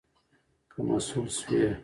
که مسؤول شوې